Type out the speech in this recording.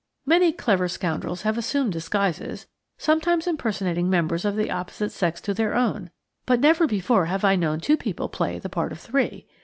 Many clever scoundrels have assumed disguises, sometimes impersonating members of the opposite sex to their own, but never before have I known two people play the part of three.